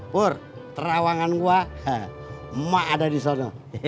pur terawangan gua mak ada disana